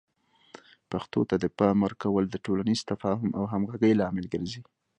پښتو ته د پام ورکول د ټولنیز تفاهم او همغږۍ لامل ګرځي.